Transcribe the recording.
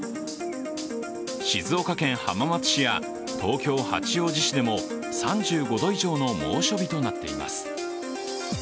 静岡県浜松市や東京・八王子市でも３５度以上の猛暑日となっています。